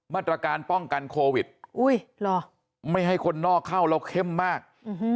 มาตรการป้องกันโควิดอุ้ยหรอไม่ให้คนนอกเข้าแล้วเข้มมากอื้อหือ